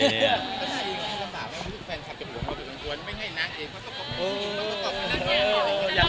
ถ้าใครรับบอกว่าทุกแฟนคลับจะห่วงเราเป็นควรไม่ให้นักเองเขาต้องกลับไป